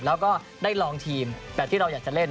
แล้วก็ได้ลองทีมแบบที่เราอยากจะเล่น